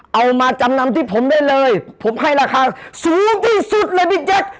เอามาจำนำที่ผมได้เลยผมให้ราคาสูงที่สุดเลยพี่แจ๊ค